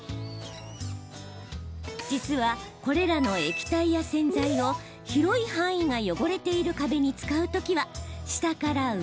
実は、これらの液体や洗剤を広い範囲が汚れている壁に使うときは、下から上。